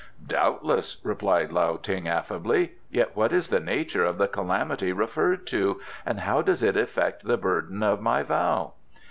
"Doubtless," replied Lao Ting affably. "Yet what is the nature of the calamity referred to, and how does it affect the burden of my vow?"